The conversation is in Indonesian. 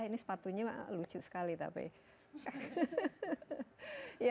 ini sepatunya lucu sekali tapi